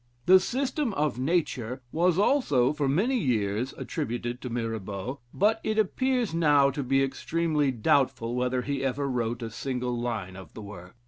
The "System of Nature" was also for many years attributed to Mirabaud, but it appears now to be extremely doubtful whether he ever wrote a single line of the work.